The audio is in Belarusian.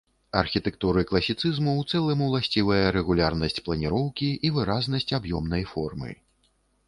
Архітэктуры класіцызму ў цэлым уласцівая рэгулярнасць планіроўкі і выразнасць аб'ёмнай формы.